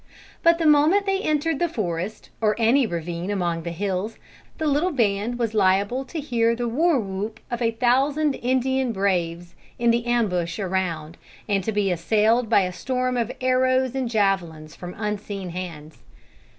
But the moment they entered the forest, or any ravine among the hills, the little band was liable to hear the war whoop of a thousand Indian braves in the ambush around, and to be assailed by a storm of arrows and javelins from unseen hands.